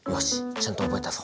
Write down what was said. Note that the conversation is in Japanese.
ちゃんと覚えたぞ。